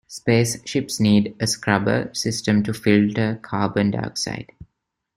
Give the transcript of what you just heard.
Space ships need a scrubber system to filter carbon dioxide.